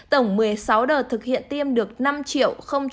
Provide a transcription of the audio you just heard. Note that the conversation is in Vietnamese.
tổng một mươi sáu đợt thực hiện tiêm được năm năm mươi bốn triệu